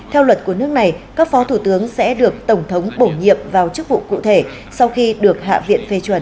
theo luật của nước này các phó thủ tướng sẽ được tổng thống bổ nhiệm vào chức vụ cụ thể sau khi được hạ viện phê chuẩn